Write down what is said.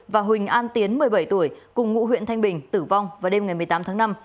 và huỳnh an tiến một mươi bảy tuổi cùng ngụ huyện thanh bình tử vong vào đêm ngày một mươi tám tháng năm